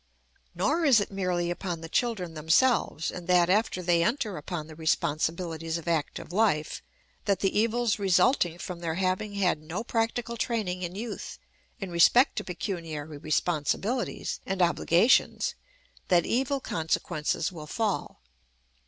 Nor is it merely upon the children themselves, and that after they enter upon the responsibilities of active life, that the evils resulting from their having had no practical training in youth in respect to pecuniary responsibilities and obligations, that evil consequences will fall.